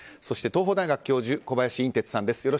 そして東邦大学教授小林寅てつさんです。